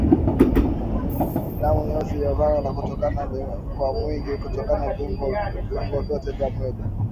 Damu nyeusi isiyoganda na kutoka kwa wingi katika viungo vyote vya mwili